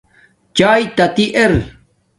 چایے تاتی ار